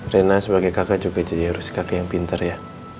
rena sebagai kakak juga jadi harus kakek yang pintar ya